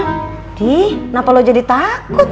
gigi kenapa lu jadi takut